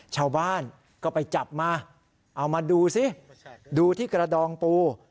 ชาวบ้านก็ไปจับมาเอามาดูสิดูที่กระดองปู